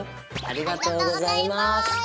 ありがとうございます。